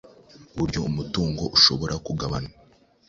uburyo umutungo ushobora kugabanwa